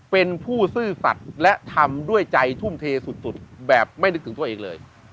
เป็นผู้ซื่อสัตว์และทำด้วยใจทุ่มเทสุดแบบไม่นึกถึงตัวเองเลย